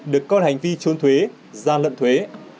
được con hành vi trốn thuế gian lận thuế